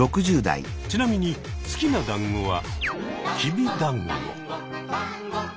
ちなみに好きなだんごはきびだんご。